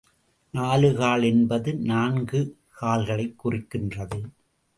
நாலுகால் என்பது நான்கு கால்களைக் குறிக்கிறது.